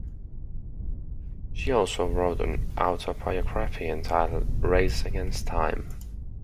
She also wrote an autobiography entitled "Race Against Time".